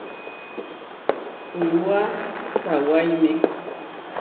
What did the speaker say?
Kuúa sawáime.